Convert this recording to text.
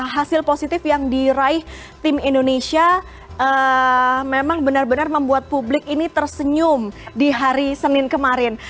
hasil positif yang diraih tim indonesia memang benar benar membuat publik ini tersenyum di hari senin kemarin